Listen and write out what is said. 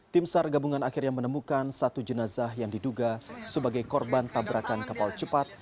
tim sar gabungan akhirnya menemukan satu jenazah yang diduga sebagai korban tabrakan kapal cepat